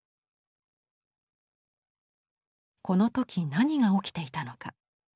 この時何が起きていたのか。